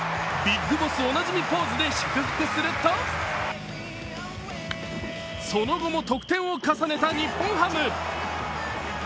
ＢＩＧＢＯＳＳおなじみポーズで祝福するとその後も得点を重ねた日本ハム。